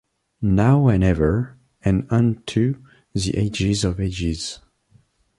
Now and ever, and unto the ages of ages.